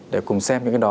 để cùng xem những cái đó